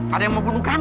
ada yang membunuh kamu